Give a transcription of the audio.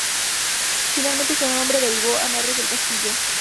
Finalmente, su nombre derivó a Narros del Castillo.